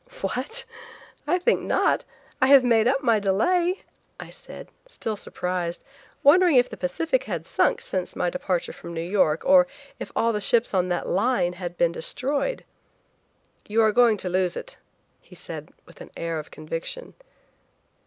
"What? I think not. I have made up my delay," I said, still surprised, wondering if the Pacific had sunk since my departure from New York, or if all the ships on that line had been destroyed. "You are going to lose it," he said with an air of conviction.